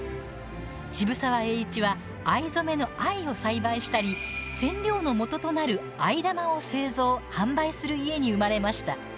渋沢栄一は藍染めの藍を栽培したり染料のもととなる藍玉を製造販売する家に生まれました。